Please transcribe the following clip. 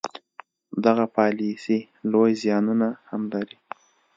دغه پالیسي لوی زیانونه هم لري.